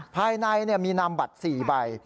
ภายในมีนามบัตร๔ใบ